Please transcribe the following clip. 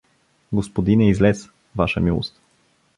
— Господине, излез, ваша милост!